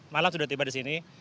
malam sudah tiba di sini